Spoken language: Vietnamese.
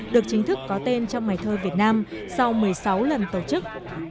được chính thức có tên trong ngày thơ việt nam sau một mươi sáu lần tổ chức